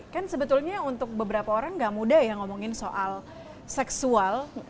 kan sebetulnya untuk beberapa orang gak mudah ya ngomongin soal seksual